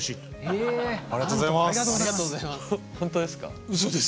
ありがとうございます。